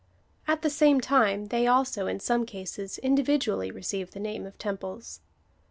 At the same time they also, in some cases, individually receive the name of temples.